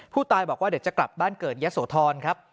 ผู้ตายบอกว่าเดี๋ยวจะกลับบ้านเกิดยะโสธรครับ